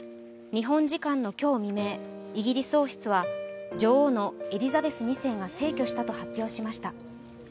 日本時間の今日未明、イギリス王室は女王のエリザベス２世が逝去したと発表しました。